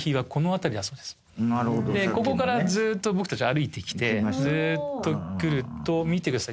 でここからずーっと僕たち歩いてきてずーっと来ると見てください。